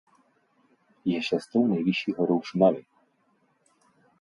Je šestou nejvyšší horou Šumavy.